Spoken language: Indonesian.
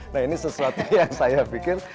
nah ini sesuatu yang saya pikir